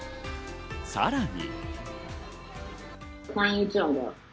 さらに。